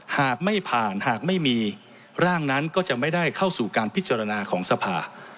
หากไม่ผ่านหากไม่มีร่างนั้นก็จะไม่ได้เข้าสู่การพิจารณาของสภา